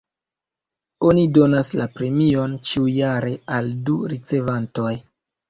Oni donas la premion ĉiujare al du ricevantoj.